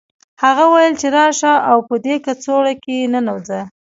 هغه وویل چې راشه او په دې کڅوړه کې ننوځه